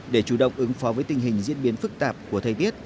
để chủ động ứng phó với tình hình diễn biến phức tạp của thời tiết